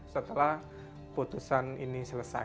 setelah putusan ini selesai